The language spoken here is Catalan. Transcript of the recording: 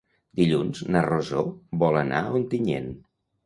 Dilluns na Rosó vol anar a Ontinyent.